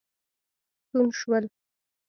ستون شول.